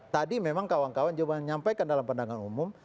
tadi memang kawan kawan coba nyampaikan dalam pendapatan umum